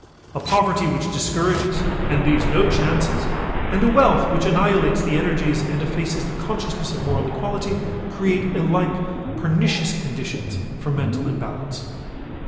A poverty which discourages and leaves no chances and a wealth which annihilates the energies and effaces the consciousness of moral equality, create alike pernicious conditions for mental balance.